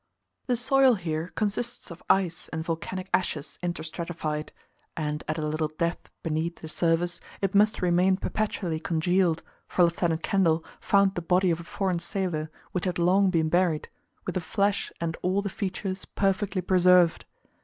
The soil here consists of ice and volcanic ashes interstratified; and at a little depth beneath the surface it must remain perpetually congealed, for Lieut. Kendall found the body of a foreign sailor which had long been buried, with the flesh and all the features perfectly preserved.